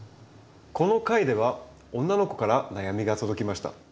この回では女の子から悩みが届きました。